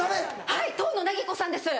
はい遠野なぎこさんです。